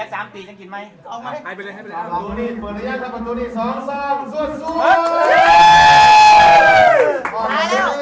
ให้ไปเลยให้ไปเลย